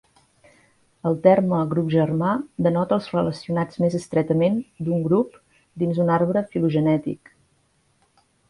El terme grup germà denota els relacionats més estretament d’un grup dins un arbre filogenètic.